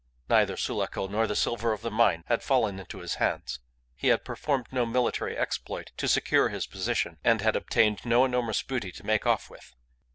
Neither Sulaco nor the silver of the mine had fallen into his hands. He had performed no military exploit to secure his position, and had obtained no enormous booty to make off with.